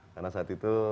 karena saat itu